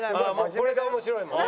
これが面白いもんね。